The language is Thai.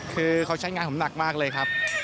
คือเขาใช้งานผมหนักมากเลยครับ